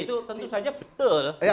itu tentu saja betul